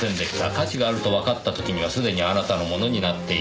価値があるとわかった時にはすでにあなたのものになっていた。